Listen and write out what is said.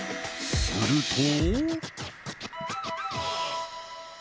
すると。